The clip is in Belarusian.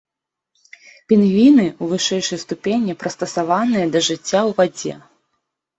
Пінгвіны, у вышэйшай ступені прыстасаваныя да жыцця ў вадзе.